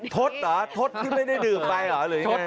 ทศเหรอทศที่ไม่ได้ดื่มไปเหรอหรือยังไง